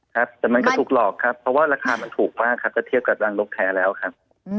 ครับแต่มันก็ถูกหลอกครับเพราะว่าราคามันถูกมากครับก็เทียบกับรังนกแท้แล้วครับ